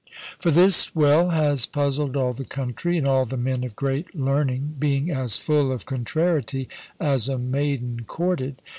For this well has puzzled all the country, and all the men of great learning, being as full of contrariety as a maiden courted.